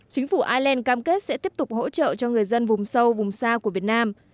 chính phủ ireland cam kết sẽ tiếp tục hỗ trợ cho người dân vùng sâu vùng xa của việt nam